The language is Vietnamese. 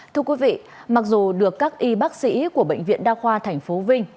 thưa quý vị mặc dù được các y bác sĩ của bệnh viện đa khoa tp vinh